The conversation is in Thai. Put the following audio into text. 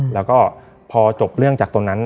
แล้วก็พอจบเรื่องจากตรงนั้น